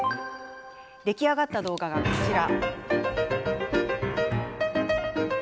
出来上がった動画が、こちら。